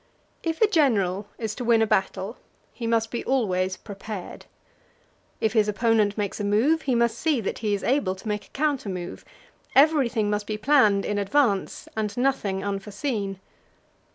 If a general is to win a battle, he must always be prepared. If his opponent makes a move, he must see that he is able to make a counter move; everything must be planned in advance, and nothing unforeseen.